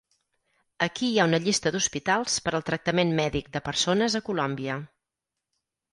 Aquí hi ha una llista d'hospitals per al tractament mèdic de persones a Colombia.